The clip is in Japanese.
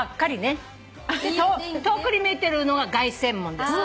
遠くに見えてるのが凱旋門です。